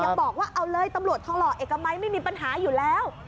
บอกว่าเอาเลยตำรวจทองหล่อเอกมัยไม่มีปัญหาอยู่แล้ว